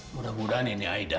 mudah mudahan ini aida